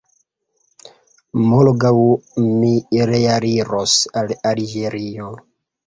Morgaŭ mi realiros al Alĝerio.